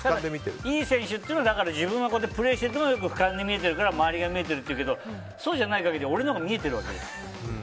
いい選手っていうのは自分がプレーしている姿が俯瞰で見えてるから周りが見えてるっていうけどそうじゃない限り俺のほうが見えてるわけ。